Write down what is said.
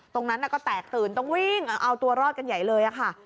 ตรงนั้นก็แตกตื่นต้องวิ่งเอาตัวรอดกันใหญ่เลยค่ะ